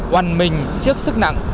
quăn mình trước sức nặng